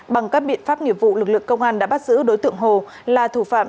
bằng các biện pháp nghiệp vụ lực lượng công an đã bắt giữ đối tượng hồ là thủ phạm